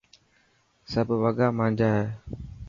سب وڳا مانجا هي.